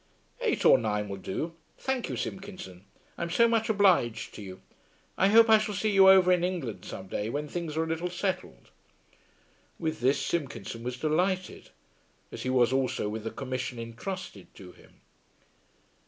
"Eight or nine will do. Thank you, Simpkinson. I'm so much obliged to you. I hope I shall see you over in England some day when things are a little settled." With this Simpkinson was delighted, as he was also with the commission entrusted to him.